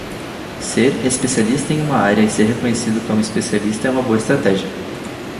Ser especialista em uma área e ser reconhecido como especialista é uma boa estratégia.